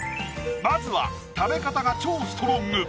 まずは食べ方が超ストロング！